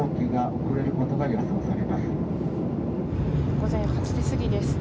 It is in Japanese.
午前８時過ぎです。